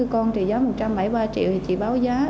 bảy mươi con trị giá một trăm bảy mươi ba triệu thì chị báo giá